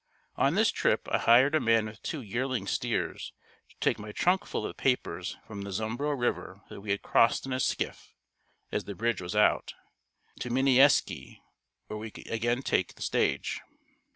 On this trip, I hired a man with two yearling steers to take my trunk full of papers from the Zumbro River that we had crossed in a skiff, as the bridge was out, to Minnieski where we could again take the stage.